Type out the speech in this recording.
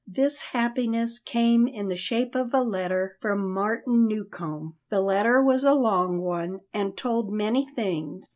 This happiness came in the shape of a letter from Martin Newcombe. The letter was a long one and told many things.